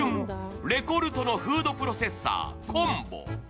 レコルートのフードプロセッサーコンボ。